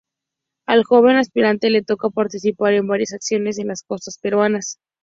Al joven Aspirante le toca participar en varias acciones en las costas peruanas.